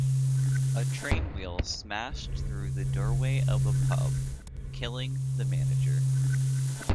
A train wheel smashed through the doorway of a pub, killing the manager.